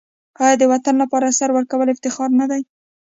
آیا د وطن لپاره سر ورکول افتخار نه دی؟